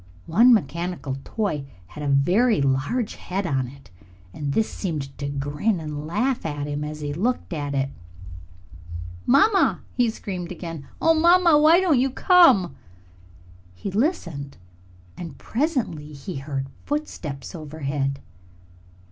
One mechanical toy had a very large head on it, and this seemed to grin and laugh at him as he looked at it. "Mamma!" he screamed again. "Oh, mamma, why don't you come?" He listened and presently he heard footsteps overhead.